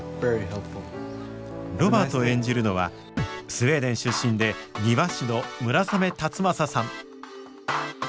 ロバートを演じるのはスウェーデン出身で庭師の村雨辰剛さん。